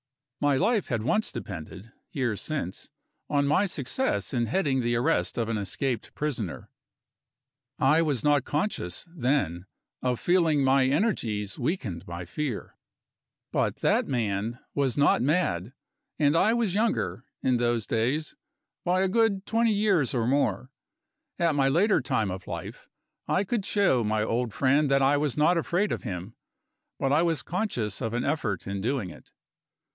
My life had once depended, years since, on my success in heading the arrest of an escaped prisoner. I was not conscious, then, of feeling my energies weakened by fear. But that man was not mad; and I was younger, in those days, by a good twenty years or more. At my later time of life, I could show my old friend that I was not afraid of him but I was conscious of an effort in doing it.